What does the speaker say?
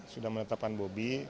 sudah menetapkan bobi